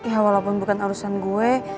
ya walaupun bukan urusan gue